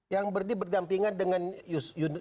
yang berdampingan dengan yusuf